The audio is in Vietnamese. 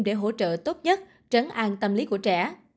để hỗ trợ tốt nhất trấn an tâm lý của trẻ